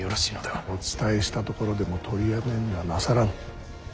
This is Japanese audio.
お伝えしたところで取りやめにはなさらぬ。